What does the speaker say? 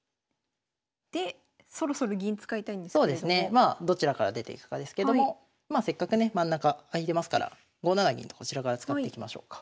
まあどちらから出ていくかですけどもせっかくね真ん中空いてますから５七銀とこちらから使っていきましょうか。